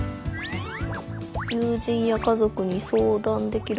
「友人や家族に相談できる」。